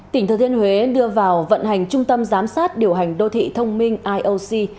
tỉnh thừa thiên huế đưa vào vận hành trung tâm giám sát điều hành đô thị thông minh ioc